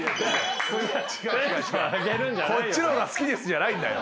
「こっちの方が好きです」じゃないんだよ。